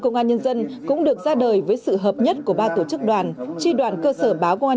công an nhân dân cũng được ra đời với sự hợp nhất của ba tổ chức đoàn tri đoàn cơ sở báo công an